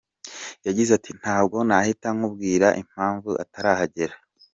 Yagize ati “Ntabwo nahita nkubwira impamvu atarahagera.